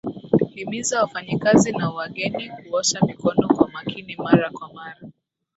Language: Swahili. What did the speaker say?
Himiza wafanyikazi na wageni kuosha mikono kwa makini mara kwa mara